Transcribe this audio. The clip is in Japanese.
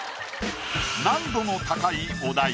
難度の高いお題